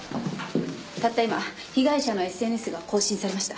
たった今被害者のＳＮＳが更新されました。